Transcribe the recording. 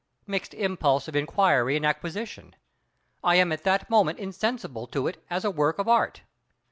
Mixed impulse of inquiry and acquisition—I am at that moment insensible to it as a work of Art.